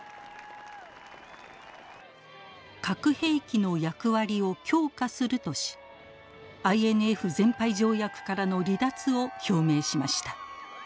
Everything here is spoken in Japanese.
核兵器の役割を強化するとしＩＮＦ全廃条約からの離脱を表明しました。